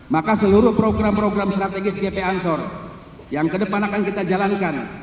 maka seluruh program program strategis gp ansor yang kedepan akan kita jalankan